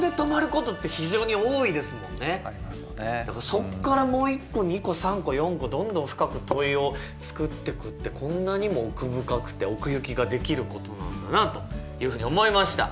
そこからもう１個２個３個４個どんどん深く問いを作ってくってこんなにも奥深くて奥行きが出来ることなんだなというふうに思いました。